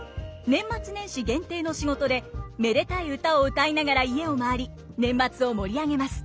年末年始限定の仕事でめでたい歌を歌いながら家を回り年末を盛り上げます。